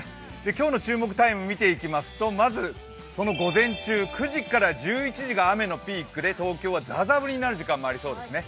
今日の注目タイム見ていきますと、まず午前中、９時から１１時が雨のピークで東京はざーざー降りになる可能性がありそうですね。